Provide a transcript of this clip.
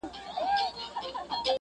ساقي جانانه ته را یاد سوې تر پیالې پوري~